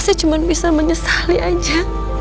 saya cuma bisa menyesali aja